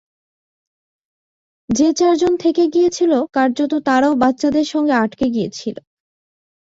যে চারজন থেকে গিয়েছিল কার্যত তারাও বাচ্চাদের সঙ্গে আটকে গিয়েছিল।